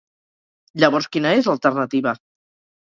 Llavors quina es la alternativa?